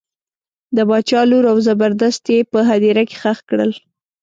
د باچا لور او زبردست یې په هدیره کې ښخ کړل.